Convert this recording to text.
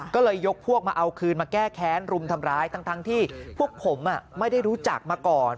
ก็เลยยกพวกมาเอาคืนมาแก้แค้นรุมทำร้ายทั้งที่พวกผมไม่ได้รู้จักมาก่อน